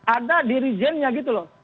ada dirijennya gitu loh